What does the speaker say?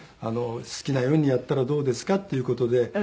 好きなようにやったらどうですかっていう事で。